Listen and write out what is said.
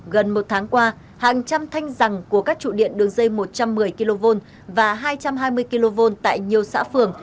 gần một tháng qua hàng trăm thanh rằng của các trụ điện đường dây một trăm một mươi kv và hai trăm hai mươi kv tại nhiều xã phường